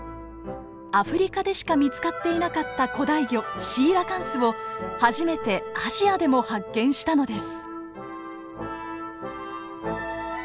アフリカでしか見つかっていなかった古代魚シーラカンスを初めてアジアでも発見したのです。